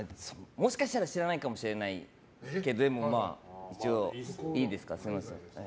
もしかしたら知らないかもしれないけど一応いいですか？